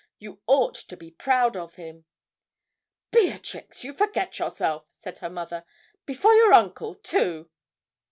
You ought to be proud of him.' 'Beatrix, you forget yourself,' said her mother; 'before your uncle, too.'